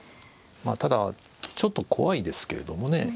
ただちょっと怖いですけれどもね。